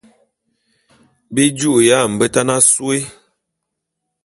Bi ju'uya a mbetan asôé.